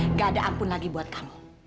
nggak ada ampun lagi buat kamu